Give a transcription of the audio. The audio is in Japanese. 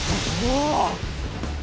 うわ！